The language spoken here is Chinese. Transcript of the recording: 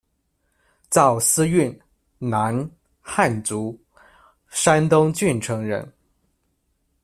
赵思运，男，汉族，山东郓城人。